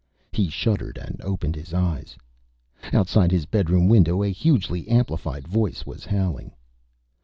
He shuddered and opened his eyes. Outside his bedroom window, a hugely amplified voice was howling.